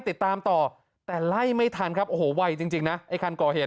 ติดตามต่อแต่ไล่ไม่ทันครับโอ้โหไวจริงจริงนะไอ้คันก่อเหตุ